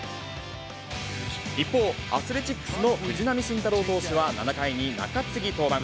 一方、アスレチックスの藤浪晋太郎投手は７回に中継ぎ登板。